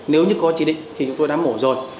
nếu như có chỉ định thì chúng tôi đã mổ rồi